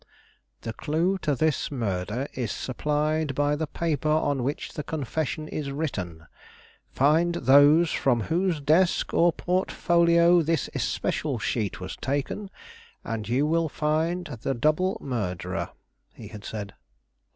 "The clue to this murder is supplied by the paper on which the confession is written. Find from whose desk or portfolio this especial sheet was taken, and you find the double murderer," he had said.